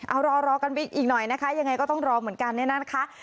เอารอกันไปอีกหน่อยนะคะยังไงก็ต้องรอเหมือนกันเนี่ยนะคะ